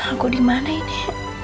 aku dimana ini